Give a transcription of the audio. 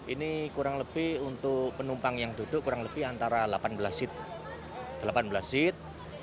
ini kurang lebih untuk penumpang yang duduk kurang lebih antara delapan belas seat